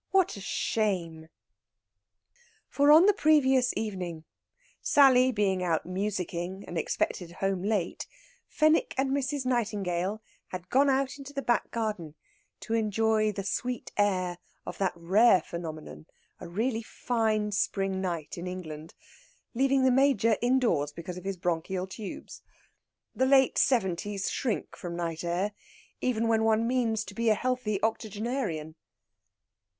What a shame!" For on the previous evening, Sally being out musicking and expected home late, Fenwick and Mrs. Nightingale had gone out in the back garden to enjoy the sweet air of that rare phenomenon a really fine spring night in England leaving the Major indoors because of his bronchial tubes. The late seventies shrink from night air, even when one means to be a healthy octogenarian.